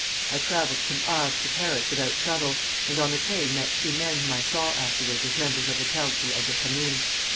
I travelled from Havre to Paris without trouble, and on the train met two men whom I saw afterwards as members of the Council of the Commune.